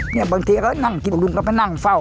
บางทีก็นั่งกินลุงก็มานั่งเฝ้า